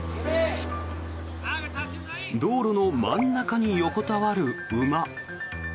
道路の真ん中に横たわる馬。